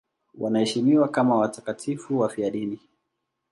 Wanaheshimiwa kama watakatifu wafiadini.